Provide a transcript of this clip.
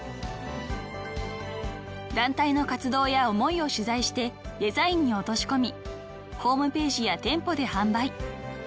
［団体の活動や思いを取材してデザインに落とし込みホームページや店舗で販売］